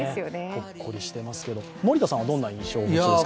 ほっこりしていますけど、森田さんはどんな印象をお持ちですか？